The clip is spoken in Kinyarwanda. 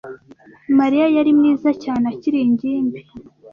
Mariya yari mwiza cyane akiri ingimbi.